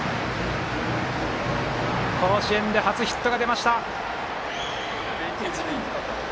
甲子園で初ヒットが出ました。